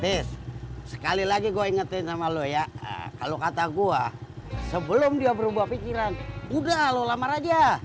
des sekali lagi gue ingetin sama lo ya kalau kata gue sebelum dia berubah pikiran udah lo lamar aja